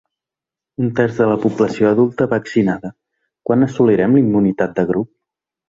Un terç de la població adulta vaccinada: quan assolirem la immunitat de grup?